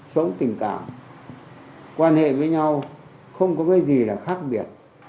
sống tình cảm quan hệ với nhau không có cái gì là khác biệt